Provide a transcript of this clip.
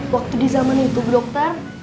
waktu di zaman itu bu dokter